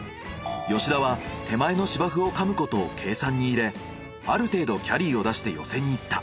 吉田は手前の芝生をかむことを計算に入れある程度キャリーを出して寄せにいった。